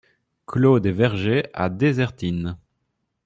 Clos des Vergers à Désertines